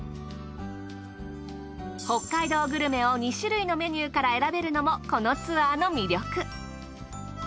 北海道グルメを２種類のメニューから選べるのもこのツアーの魅力。